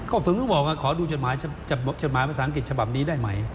ก็ผมก็บอกว่าขอดูจดหมายภาษาอังกฤษฉบับนี้ได้ไหม